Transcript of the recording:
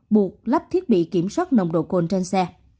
buộc lắp thiết bị kiểm soát nồng độ cồn trên xe